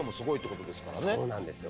そうなんですよ。